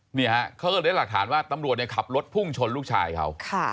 เขาก็ได้หลักฐานว่าตำรวจขับรถพุ่งชนลูกชายเขา